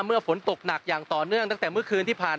เมื่อฝนตกหนักอย่างต่อเนื่องตั้งแต่เมื่อคืนที่ผ่าน